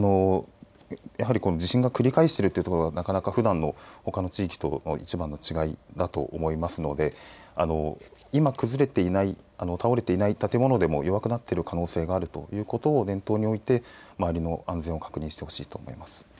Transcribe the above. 地震が繰り返しているところがなかなかふだんのほかの地域との１番の違いだと思いますので今、崩れていない倒れていない建物でも弱くなっている可能性があるということを念頭において周りの安全を確認してほしいと思います。